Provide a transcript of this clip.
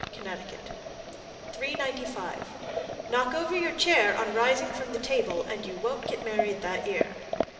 Connecticut. 395. Knock over your chair on rising from the table, and you won't get married that year.